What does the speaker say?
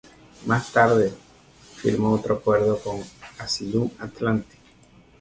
Más tarde, firmó otro acuerdo con Asylum y Atlantic.